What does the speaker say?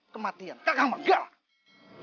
kematian kakak magalat